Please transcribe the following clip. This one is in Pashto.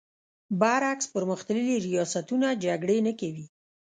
برعکس پر مختللي ریاستونه جګړې نه کوي.